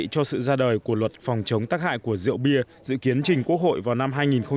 cho sự ra đời của luật phòng chống tắc hại của rượu bia dự kiến trình quốc hội vào năm hai nghìn một mươi tám